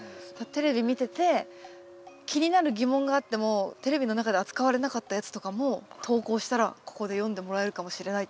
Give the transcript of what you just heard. テレビ見てて気になる疑問があってもテレビの中で扱われなかったやつとかも投稿したらここで読んでもらえるかもしれないっていう。